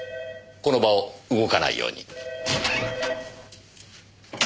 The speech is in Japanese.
この場を動かないように。